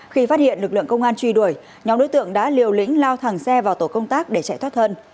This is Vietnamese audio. khi phát hiện lực lượng công an truy đuổi nhóm đối tượng đã liều lĩnh lao thẳng xe vào tổ công tác để chạy thoát thân